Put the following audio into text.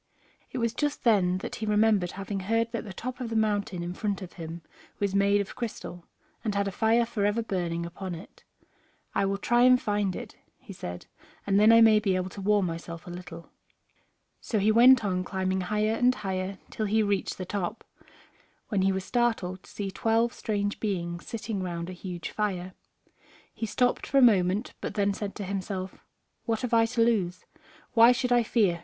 It was just then he remembered having heard that the top of the mountain in front of him was made of crystal, and had a fire forever burning upon it. "I will try and find it," he said, "and then I may be able to warm myself a little." So he went on climbing higher and higher till he reached the top, when he was startled to see twelve strange beings sitting round a huge fire. He stopped for a moment, but then said to himself, "What have I to lose? Why should I fear?